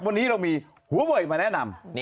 วันนี้เรามีหัวเวยมาแนะนำ